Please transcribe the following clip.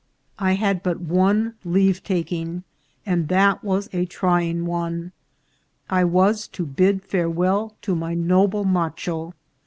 I had but one leave taking, and that was a trying one. I was to bid farewell to my noble macho.